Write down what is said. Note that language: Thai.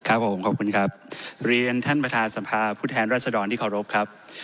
ครับผมขอบคุณครับเรียนท่านประธานสภาผู้แทนรัศดรที่เคารพครับ